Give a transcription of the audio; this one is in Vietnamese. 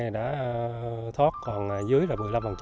đã thoát còn dưới là một mươi năm